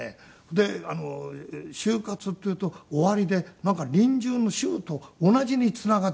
で「終活」っていうと「終わり」でなんか「臨終」の「終」と同じにつながっちゃうんですよ。